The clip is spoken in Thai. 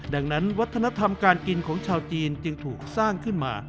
ดังนั้นวัฒนธรรมการกินของชาวจีนจึงถูกสร้างขึ้นมา